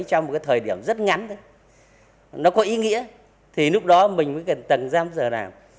trong một cái thời điểm rất ngắn nó có ý nghĩa thì lúc đó mình mới cần tầng giam giờ làm